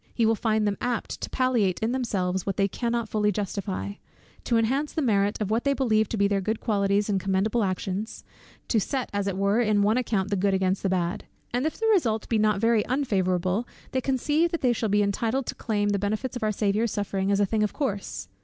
He will find them apt to palliate in themselves what they cannot fully justify, to enhance the merit of what they believe to be their good qualities and commendable actions, to set as it were in an account the good against the bad; and if the result be not very unfavourable, they conceive that they shall be entitled to claim the benefits of our Saviour's sufferings as a thing of course.